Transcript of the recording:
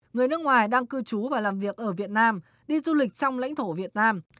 người nước ngoài đang cư trú và làm việc ở việt nam đi du lịch trong lãnh thổ việt nam